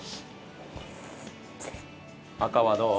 赤はどう？